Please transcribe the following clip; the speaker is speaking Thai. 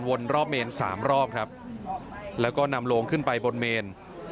รอบเมนสามรอบครับแล้วก็นำโลงขึ้นไปบนเมน